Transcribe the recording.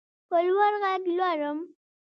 په لوړ غږ لولم.